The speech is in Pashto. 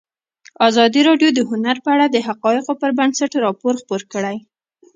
ازادي راډیو د هنر په اړه د حقایقو پر بنسټ راپور خپور کړی.